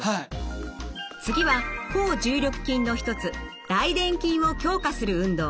次は抗重力筋の一つ大臀筋を強化する運動。